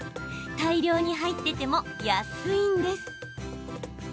大量に入ってても安いんです。